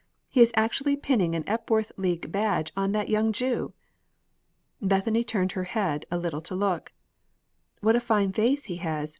He is actually pinning an Epworth League badge on that young Jew!" Bethany turned her head a little to look. "What a fine face he has!"